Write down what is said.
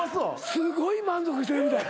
すごい満足してるみたい。